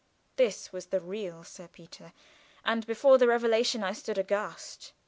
This was the real Sir Peter, and before the revelation I stood aghast.